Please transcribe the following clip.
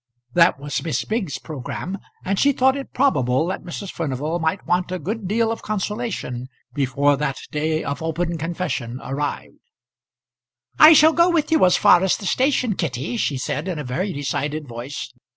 That was Miss Biggs's programme, and she thought it probable that Mrs. Furnival might want a good deal of consolation before that day of open confession arrived. "I shall go with you as far as the station, Kitty," she said in a very decided voice.